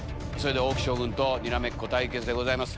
王騎将軍とにらめっこ対決でございます。